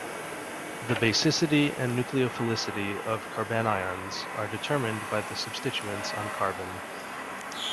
The basicity and nucleophilicity of carbanions are determined by the substituents on carbon.